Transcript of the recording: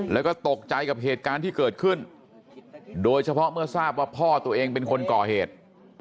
แล้วก็ตกใจกับเหตุการณ์ที่เกิดขึ้นโดยเฉพาะเมื่อทราบว่าพ่อตัวเองเป็นคนก่อเหตุ